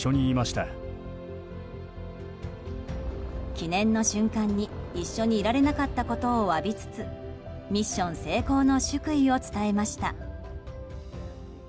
記念の瞬間に、一緒にいられなかったことを詫びつつミッション成功の祝意を伝えました。